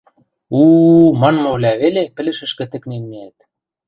– У-у-у... – манмывлӓ веле пӹлӹшӹшкӹ тӹкнен миӓт.